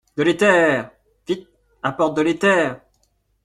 De l’éther !… vite, apporte de l’éther !